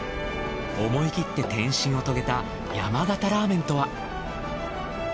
思い切って転身を遂げた山形ラーメンとは？